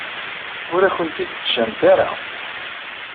Ur akent-t-id-ǧǧant ara.